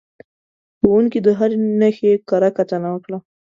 ښوونکي د هرې نښې کره کتنه وکړه.